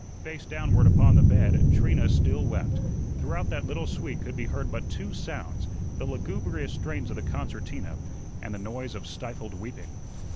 Face downward upon the bed, Trina still wept. Throughout that little suite could be heard but two sounds, the lugubrious strains of the concertina and the noise of stifled weeping.